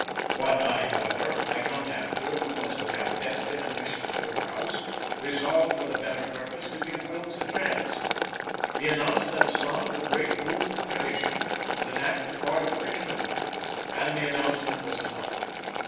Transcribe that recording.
One night, however, a young actor, who was to have a benefit and wished to fill the house, resolved for the better purpose to give Wilkes a chance. He announced that a son of the great Booth of tradition, would enact the part of Richmond, and the announcement was enough.